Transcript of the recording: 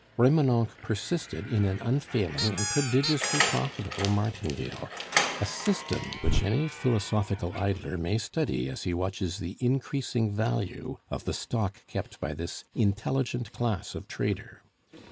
Remonencq persisted in an unfailing and prodigiously profitable martingale, a "system" which any philosophical idler may study as he watches the increasing value of the stock kept by this intelligent class of trader.